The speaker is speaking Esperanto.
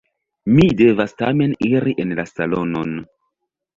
Mi devas tamen iri en la salonon.